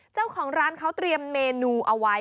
เจ้าของร้านเขาเตรียมเมนูเอาไว้